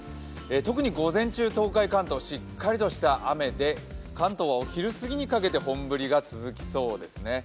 特に午前中、東海、関東はしっかりとした雨で関東はお昼過ぎにかけて本降りが続きそうですね。